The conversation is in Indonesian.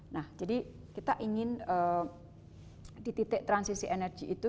nah jadi kita ingin di titik transisi energi itu